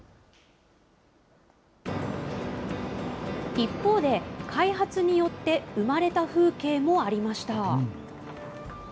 一方で、開発によって生まれた風景もありました。